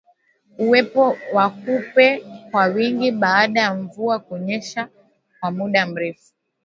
Uwepo wa kupe kwa wingi baada ya mvua kunyesha kwa muda mrefu